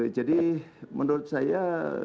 jadi menurut saya